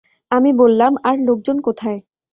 আমি বললাম, আর লোকজন কোথায়?